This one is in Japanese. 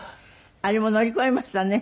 あれも乗り越えましたね。